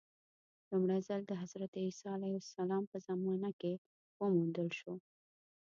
لومړی ځل د حضرت عیسی علیه السلام په زمانه کې وموندل شو.